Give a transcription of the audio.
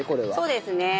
そうですね。